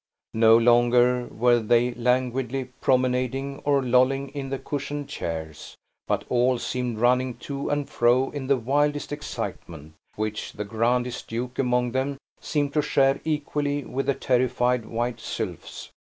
No longer were they languidly promenading, or lolling in the cushioned chairs; but all seemed running to and fro in the wildest excitement, which the grandest duke among them seemed to share equally with the terrified white sylphs.